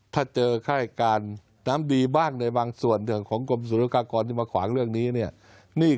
ถ้าเจอค่ายการน้ำดีบ้างในบางส่วนของกรมศูนยากากรที่มาขวางเรื่องนี้เนี่ย